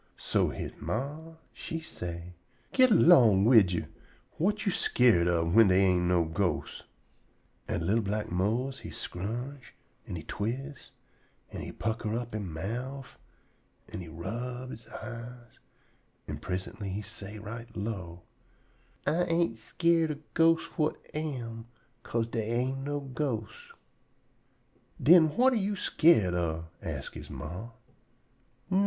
So he ma she say: "Git erlong wid yo'! Whut you skeered ob whin dey ain't no ghosts?" An' li'l black Mose he scrooge, an' he twist, an' he pucker up he mouf, an' he rub he eyes, an' prisintly he say right low: "I ain't skeered ob ghosts whut am, 'ca'se dey ain't no ghosts." "Den what am yo' skeered ob?" ask he ma.